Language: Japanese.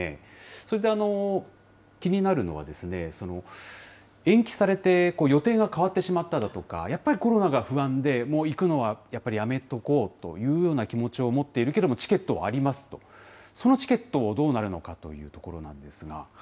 それで気になるのは、延期されて予定が変わってしまっただとか、やっぱりコロナが不安で、もう行くのはやっぱりやめとこうというような気持ちを持っているけれども、チケットはありますと、そのチケットがどうなるのかということなんですが。